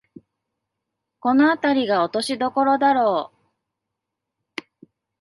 このあたりが落としどころだろう